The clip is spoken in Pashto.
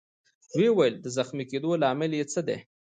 ويې ویل: د زخمي کېدو لامل يې څه دی؟